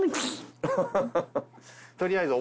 取りあえず。